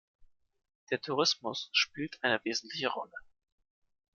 Der Tourismus spielt eine wesentliche Rolle.